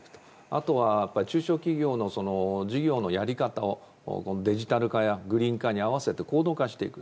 あとは中小企業の事業のやり方をデジタル化やグリーン化に合わせて行動化していく。